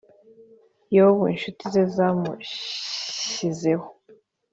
yobu inshuti ze zamushizeho